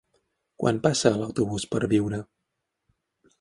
Quan passa l'autobús per Biure?